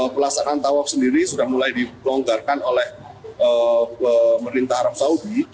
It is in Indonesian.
pelaksanaan tawaf sendiri sudah mulai dilonggarkan oleh pemerintah arab saudi